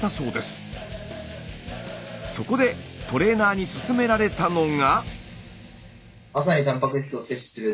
そこでトレーナーに勧められたのが。